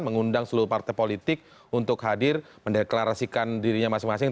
mengundang seluruh partai politik untuk hadir mendeklarasikan dirinya masing masing